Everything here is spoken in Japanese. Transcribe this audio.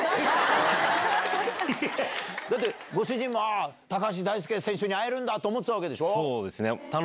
だってご主人も高橋大輔選手に会えるんだ！と思ってたでしょ。